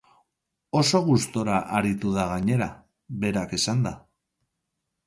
Oso gustura aritu da gainera, berak esanda.